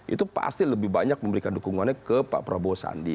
itu pasti lebih banyak memberikan dukungannya ke pak prabowo sandi